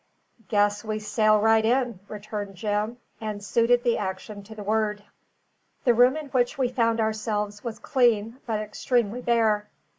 "Guess we sail right in," returned Jim, and suited the action to the word. The room in which we found ourselves was clean, but extremely bare.